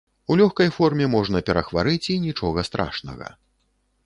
У лёгкай форме можна перахварэць і нічога страшнага.